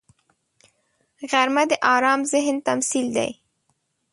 غرمه د آرام ذهن تمثیل دی